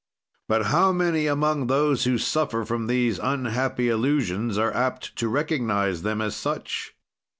"But how many, among those who suffer from these unhappy illusions, are apt to recognize them as such?